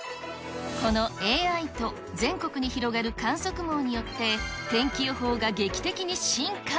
このＡＩと、全国に広がる観測網によって、天気予報が劇的に進化。